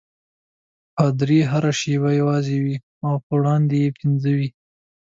پادري هره شپه یوازې وي او په وړاندې یې پنځه وي.